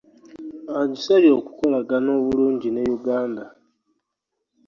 Agusabye okukologana obulungi ne Uganda